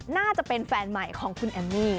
น่าจะเป็นแฟนใหม่ของคุณแอมมี่